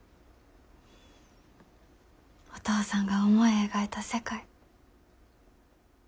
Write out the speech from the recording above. お父さんが思い描いた世界。